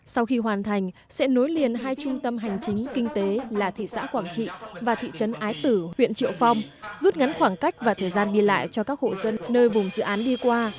sau khi hoàn thành sẽ nối liền hai trung tâm hành chính kinh tế là thị xã quảng trị và thị trấn ái tử huyện triệu phong rút ngắn khoảng cách và thời gian đi lại cho các hộ dân nơi vùng dự án đi qua